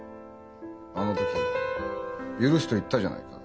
あの時許すと言ったじゃないか。